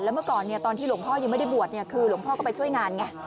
เมื่อก่อนตอนที่หลวงพ่อยังไม่ได้บวชคือหลวงพ่อก็ไปช่วยงานไง